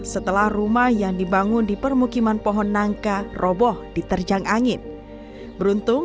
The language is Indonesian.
setelah rumah yang dibangun di permukiman pohon nangka roboh diterjang angin beruntung